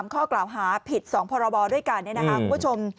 ข้อกล่าวหาผิด๒พรบด้วยกันคุณผู้ชม